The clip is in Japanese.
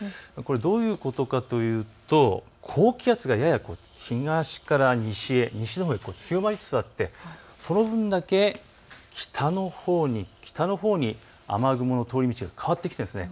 どういうことかというと高気圧が、やや東から西のほうへ強まりつつあって、その分だけ北のほうに雨雲の通り道が変わってきているんです。